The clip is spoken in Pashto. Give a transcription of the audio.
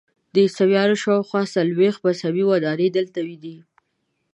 د عیسویانو شاخوا څلویښت مذهبي ودانۍ دلته دي.